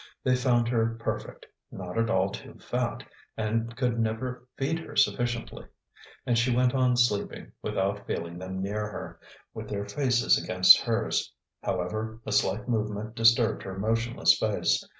They found her perfect, not at all too fat, and could never feed her sufficiently. And she went on sleeping, without feeling them near her, with their faces against hers. However, a slight movement disturbed her motionless face.